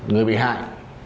người bị hại